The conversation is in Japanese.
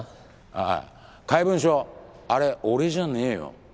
あっ怪文書あれ俺じゃねぇよ。